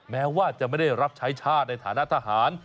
แม้ว่าจะไม่ได้รับใช้ชาติในฐานะทหาร